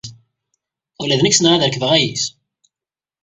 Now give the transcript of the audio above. Ula d nekk ssneɣ ad rekbeɣ ayis.